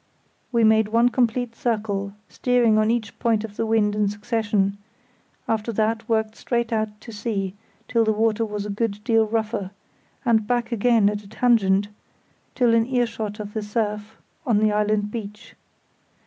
We made one complete circle, steering on each point of the wind in succession, after that worked straight out to sea till the water was a good deal rougher, and back again at a tangent, till in earshot of the surf on the island beach.